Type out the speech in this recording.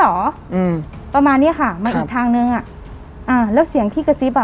อืมประมาณเนี้ยค่ะมาอีกทางนึงอ่ะอ่าแล้วเสียงที่กระซิบอ่ะ